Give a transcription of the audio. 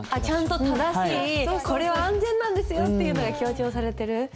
ちゃんと正しい「これは安全なんですよ」っていうのが強調されてる。